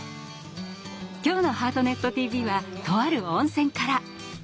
今日の「ハートネットＴＶ」はとある温泉から！